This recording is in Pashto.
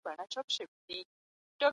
نوی نسل باید خپل تاریخ په خپله وڅېړي.